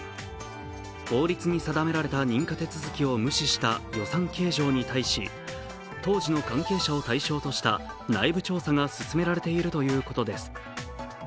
法律に定められた認可手続きを無視した予算計上に対し、当時の関係者を対象とした内部調査が進められているということです。